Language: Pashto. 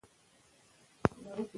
زه د ګشنیزو او پیازو ډکې سموسې خوښوم.